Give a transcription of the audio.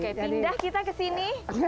oke pindah kita ke sini